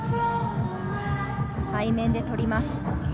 背面で取ります。